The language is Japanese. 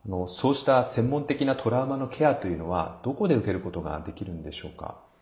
そうした専門的なトラウマのケアというのはどこで受けることができるんでしょうか？